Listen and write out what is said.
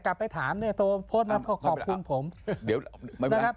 กลับไปถามเนี่ยโทพสนะครับขอบคุณผมเดี๋ยวไม่เป็นไร